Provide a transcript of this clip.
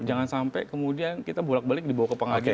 jangan sampai kemudian kita bolak balik dibawa ke pengadilan